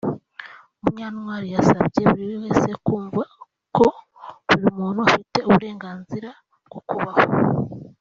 Munyantwari yasabye buri wese kumva ko buri muntu afite uburenganzira bwo kubaho